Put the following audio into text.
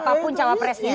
siapapun jawab presnya